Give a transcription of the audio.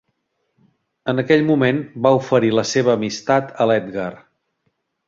En aquell moment va oferir la seva amistat a l'Edgar.